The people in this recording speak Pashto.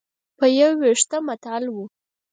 په یو وېښته معطل و.